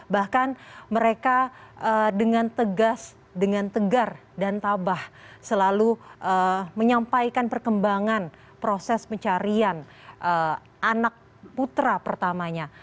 bahkan mereka dengan tegas dengan tegar dan tabah selalu menyampaikan perkembangan proses pencarian anak putra pertamanya